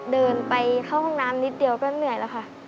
เดินไปเข้าห้องน้ำนิดเดียวก็เหนื่อยแล้วค่ะ